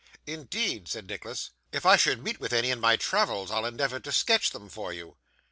'Indeed!' said Nicholas. 'If I should meet with any in my travels, I'll endeavour to sketch them for you.